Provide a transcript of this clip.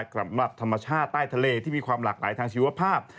กลับมาธรรมชาติใต้ทะเลที่มีความหลากหลายทางชีวภาพ